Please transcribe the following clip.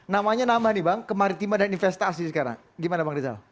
namanya nama nih bang kemaritiman dan investasi sekarang gimana bang rizal